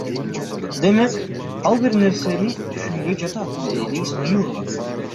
Демек, ал бир нерсени түшүнбөй жатат, — деди Исмаилова.